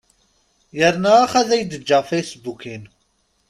Yerna ax ad ak-d-ǧǧeɣ fasebbuk-inu.